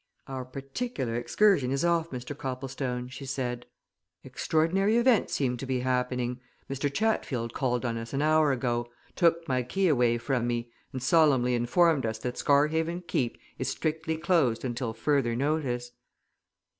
"Our particular excursion is off, Mr. Copplestone," she said. "Extraordinary events seem to be happening. Mr. Chatfield called on us an hour ago, took my key away from me, and solemnly informed us that Scarhaven Keep is strictly closed until further notice!"